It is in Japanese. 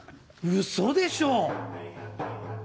うそでしょ。